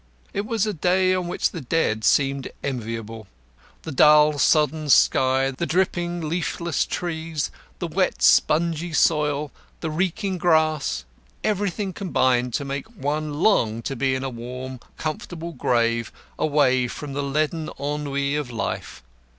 It was a day on which the dead seemed enviable. The dull, sodden sky, the dripping, leafless trees, the wet, spongy soil, the reeking grass everything combined to make one long to be in a warm, comfortable grave away from the leaden ennuis of life.